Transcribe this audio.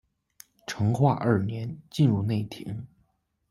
成化二年，进入内廷。